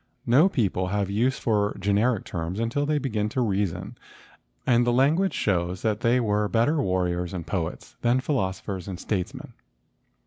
No people have use for generic terms until they begin to reason and the language shows that they were better warriors and poets than philos¬ ophers and statesmen.